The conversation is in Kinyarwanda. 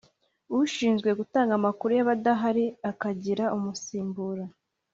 ushinzwe gutanga amakuru, yaba adahari akagira umusimbura.